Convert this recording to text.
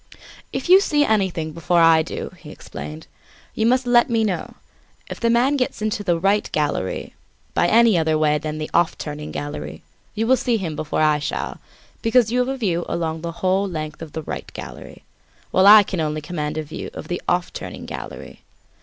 "If you see anything before I do," he explained, "you must let me know. If the man gets into the 'right' gallery by any other way than the 'off turning' gallery, you will see him before I shall, because you have a view along the whole length of the 'right' gallery, while I can only command a view of the 'off turning' gallery.